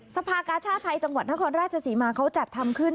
สภากาชาติไทยจังหวัดนครราชศรีมาเขาจัดทำขึ้น